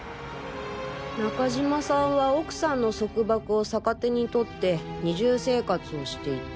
中島さんは奥さんの束縛を逆手にとって二重生活をしていた。